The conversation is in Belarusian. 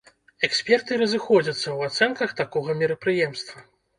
Эксперты разыходзяцца ў ацэнках такога мерапрыемства.